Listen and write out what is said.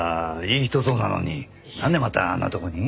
いい人そうなのになんでまたあんなとこに？